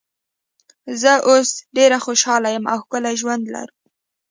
زه اوس ډېره خوشاله یم او ښکلی ژوند لرو.